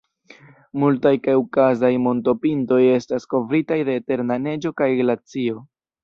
Multaj kaŭkazaj montopintoj estas kovritaj de eterna neĝo kaj glacio.